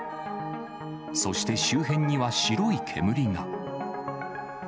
そして周辺には白い煙が。